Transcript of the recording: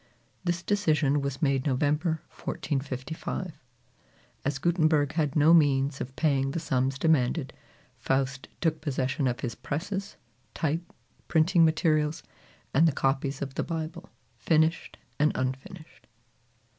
This decision was made November 1455. As Gutenberg had no means of paying the sums demanded, Faust took possession of his presses, type, printing materials, and the copies of the Bible, finished and unfinished.